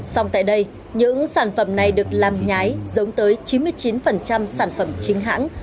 xong tại đây những sản phẩm này được làm nhái giống tới chín mươi chín sản phẩm chính hãng